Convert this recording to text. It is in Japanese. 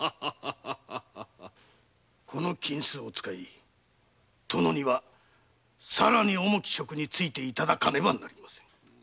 この金子を使い殿にはさらに重き職に就いていただかねばなりません。